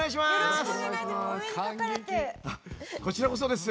こちらこそです。